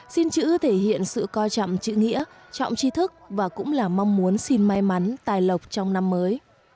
xin chữ thể hiện sự coi chậm chữ nghĩa trọng chi thức và cũng là mong muốn xin may mắn tài lọc trong năm mới